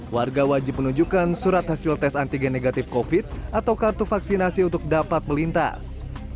warga wajib menunjukkan surat hasil tes antigen negatif covid atau kartu vaksinasi untuk dapat melintas